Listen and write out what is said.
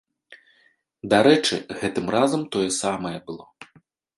Дарэчы, гэтым разам тое самае было.